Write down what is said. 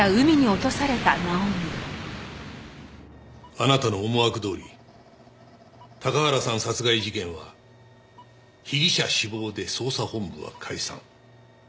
あなたの思惑どおり高原さん殺害事件は被疑者死亡で捜査本部は解散。